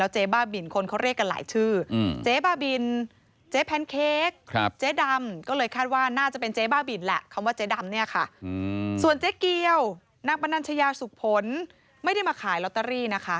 เจ๊ปนัญชยาสุภนไม่ได้มาขายลอตเตอรี่นะคะ